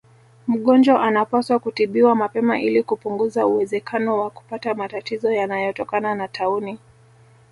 Mgonjwa anapaswa kutibiwa mapema ili kupunguza uwezekano wa kupata matatizo yanayotokana na taunii